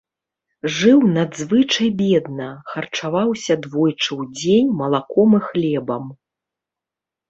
Жыў надзвычай бедна, харчаваўся двойчы ў дзень малаком і хлебам.